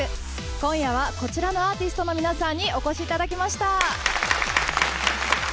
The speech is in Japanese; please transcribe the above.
今夜はこちらのアーティストの皆さんにお越しいただきました。